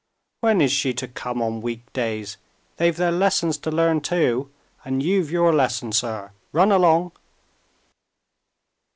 "When is she to come on week days? They've their lessons to learn too. And you've your lesson, sir; run along."